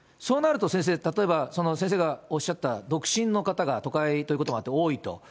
そうなると先生、例えば先生がおっしゃった独身の方が、都会ということもあって多いと。